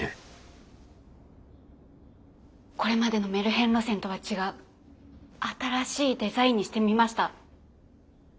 これまでのメルヘン路線とは違う新しいデザインにしてみました。